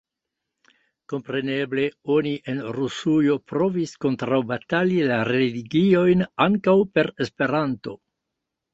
Kompreneble oni en Rusujo provis kontraŭbatali la religiojn ankaŭ per Esperanto.